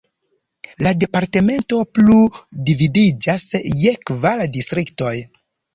La departemento plu dividiĝas je kvar distriktoj.